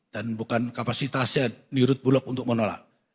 dan bukan kapasitasnya di urut bulog untuk menolak